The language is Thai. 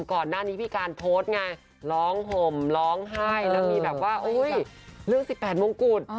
ก่อนหน้านี้พี่การโพสต์ไงร้องห่มร้องไห้แล้วมีแบบว่าเรื่อง๑๘มงกุฎ